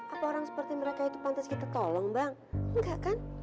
apa orang seperti mereka itu pantas kita tolong bang enggak kan